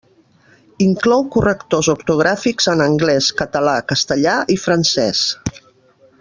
Inclou correctors ortogràfics en anglès, català, castellà i francès.